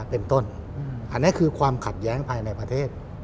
เป็นต้นอืมอันเนี้ยคือความขัดแย้งภายในประเทศ